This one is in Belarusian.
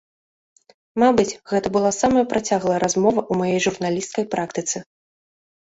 Мабыць, гэта была самая працяглая размова ў маёй журналісцкай практыцы.